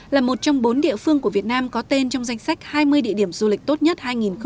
là một trong bốn địa phương của việt nam có tên trong danh sách hai mươi địa điểm du lịch tốt nhất hai nghìn hai mươi